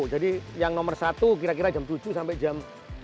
jadi yang nomor satu kira kira jam tujuh sampai jam tujuh tiga puluh